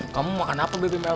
kamu makan apa beb mel